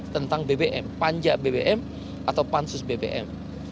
tentang bbm panja bbm atau pansus bbm